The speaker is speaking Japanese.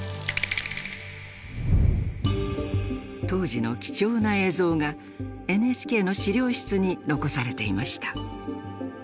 当時の貴重な映像がＮＨＫの資料室に残されていました。